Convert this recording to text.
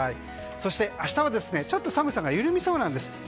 そして明日はちょっと寒さが緩みそうなんです。